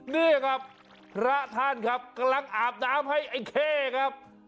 นี่ครับพระท่านครับกำลังอาบน้ำให้ไอ้เข้ครับ